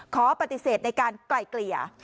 ขอปฏิเสธในการไกล่เกลี่ย